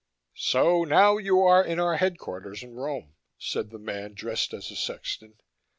"So now you are in our headquarters in Rome," said the man dressed as a sexton.